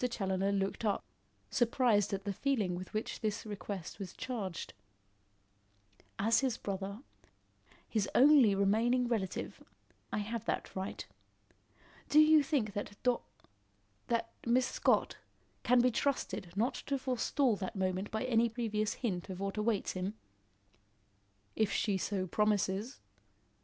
Challoner looked up, surprised at the feeling with which this request was charged. "As his brother his only remaining relative, I have that right. Do you think that Dor that Miss Scott, can be trusted not to forestall that moment by any previous hint of what awaits him?" "If she so promises.